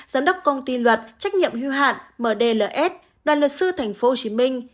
giám đốc công ty luật trách nhiệm hưu hạn mdls đoàn luật sư tp hcm